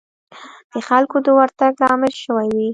د خلکو د ورتګ لامل شوې وي.